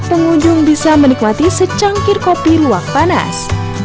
pengunjung bisa menikmati secangkir kopi luwak panas